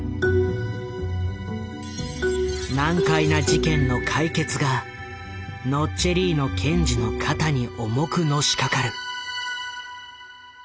難解な事件の解決がノッチェリーノ検事の肩に重くのしかかる。